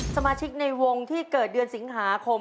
สมาชิกในวงที่เกิดเดือนสิงหาคม